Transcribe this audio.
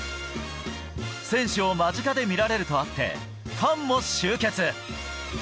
選手を間近で見られるとあって、ファンも集結。